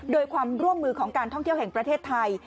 โดยความร่วมมือของการท่องเที่ยวแห่งประเทศไทย